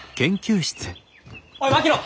おい槙野！